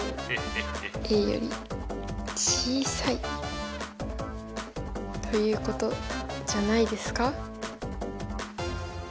より小さいということじゃないですか？